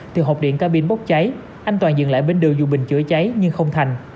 từ hộp điện cabin bốc cháy anh toàn dựng lại bên đường dù bình chữa cháy nhưng không thành